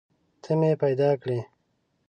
ته مې پیدا کړي